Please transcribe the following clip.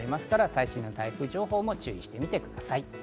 最新の台風情報も注意して見てみてください。